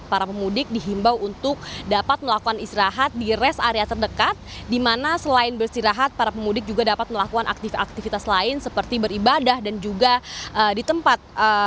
para pemudik dihimbau untuk dapat melakukan istirahat di rest area terdekat di mana selain beristirahat para pemudik juga dapat melakukan aktivitas aktivitas lain seperti beribadah dan juga di tempat